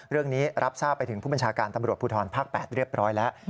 รับทราบไปถึงผู้บัญชาการตำรวจภูทรภาค๘เรียบร้อยแล้ว